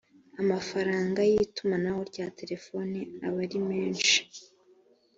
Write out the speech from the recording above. amafaranga y’itumanaho rya telefoni aba ari menshi